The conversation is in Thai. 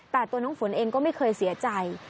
แต่ตัวน้องฝนเองก็ไม่เคยเสียใจ